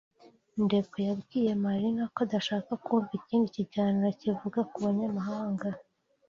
Ndekwe yabwiye Marina ko adashaka kumva ikindi kiganiro kivuga ku banyamahanga.